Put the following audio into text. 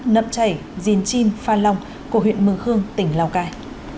tỉnh diện chim pha lòng của huyện mường khương tỉnh lào cai